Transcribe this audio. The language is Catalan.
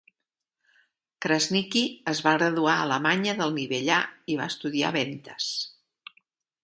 Krasniqi es va graduar a Alemanya del nivell A i va estudiar ventes.